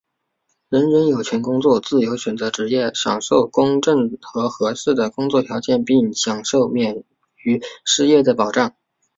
人人有权工作、自由选择职业、享受公正和合适的工作条件并享受免于失业的保障。